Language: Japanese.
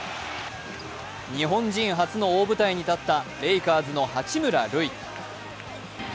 日本人初の大舞台に立ったレイカーズの八村塁。